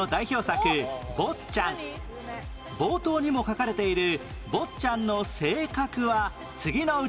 冒頭にも書かれている坊っちゃんの性格は次のうちどれ？